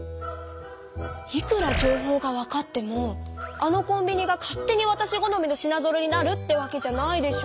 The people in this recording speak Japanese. いくら情報がわかってもあのコンビニが勝手にわたし好みの品ぞろえになるってわけじゃないでしょ？